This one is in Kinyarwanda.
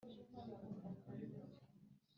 Bāsha amwicira i Gibetoni y’Abafilisitiya